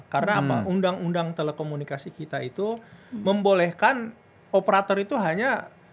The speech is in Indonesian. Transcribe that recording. karena apa undang undang telekomunikasi kita itu membolehkan operator itu hanya